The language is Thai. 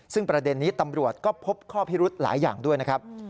ซึ่งประเด็นนี้ตำรวจก็พบข้อพิรุธหลายอย่างด้วยนะครับ